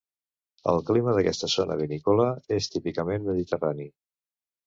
El clima d'aquesta zona vinícola és típicament mediterrani.